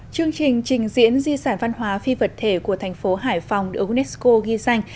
chương trình trình diễn di sản văn hóa phi vật thể của thành phố hải phòng được unesco ghi danh